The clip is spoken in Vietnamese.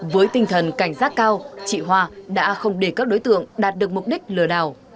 với tinh thần cảnh giác cao chị hoa đã không để các đối tượng đạt được mục đích lừa đảo